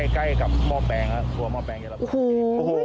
ใกล้กับหม้อแปงครับอุโห